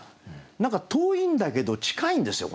何か遠いんだけど近いんですよ